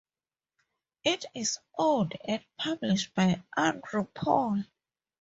It is owned and published by Andrew Paul.